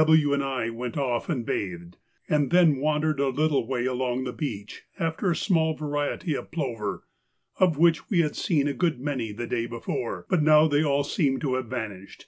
W. and I went off and bathed, and then wandered a little way along the beach after a small variety of plover, of which we had seen a good many the day before, but now they all seemed to have vanished.